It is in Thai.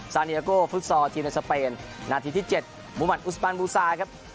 เนียโกฟุตซอลทีมในสเปนนาทีที่๗มุมัติอุสปานบูซาครับ